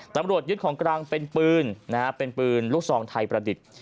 ตำรวจยึดของกลางเป็นปืนลูกซองไทยประดิษฐ์